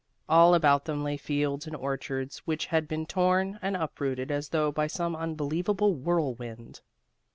All about them lay fields and orchards which had been torn and uprooted as though by some unbelievable whirlwind.